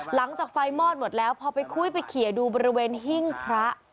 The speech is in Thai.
หลังจากไฟมอดหมดแล้วพอไปคุยไปเคลียร์ดูบริเวณหิ้งพระ